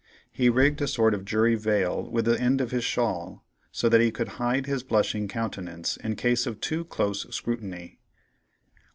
He rigged a sort of jury veil with the end of his shawl, so that he could hide his blushing countenance in case of too close scrutiny.